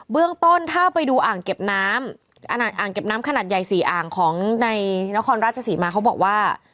เรื่องต้นถ้าไปดูอ่างเก็บน้ำอ่างอ่างเก็บน้ำขนาดใหญ่สี่อ่างของในนครราชศรีมาเขาบอกว่า